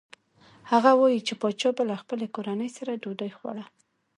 هغه وايي چې پاچا به له خپلې کورنۍ سره ډوډۍ خوړه.